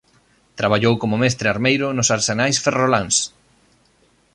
Traballou como mestre armeiro nos arsenais ferroláns.